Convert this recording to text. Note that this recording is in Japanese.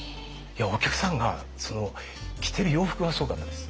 お客さんが着てる洋服がすごかったです。